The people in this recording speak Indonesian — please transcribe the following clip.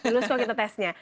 lulus kalau kita tesnya